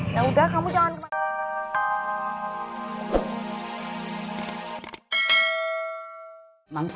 yaudah kamu jangan kemana mana